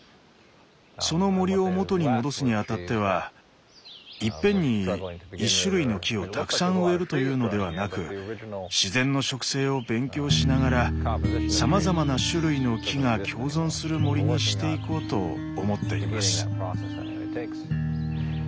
その森を元に戻すに当たってはいっぺんに１種類の木をたくさん植えるというのではなく自然の植生を勉強しながらさまざまな種類の木が共存する森にしていこうと思っています。